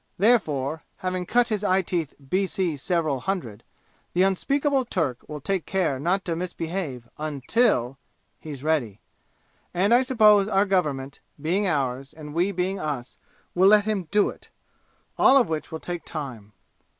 Therefore, having cut his eye teeth B.C. several hundred, the Unspeakable Turk will take care not to misbehave UNTIL he's ready. And I suppose our government, being ours and we being us, will let him do it! All of which will take time.